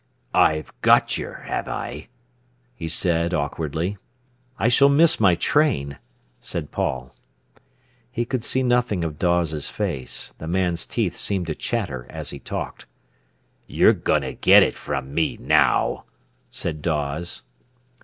"I've got yer, have I?" he said awkwardly. "I shall miss my train," said Paul. He could see nothing of Dawes's face. The man's teeth seemed to chatter as he talked. "You're going to get it from me now," said Dawes.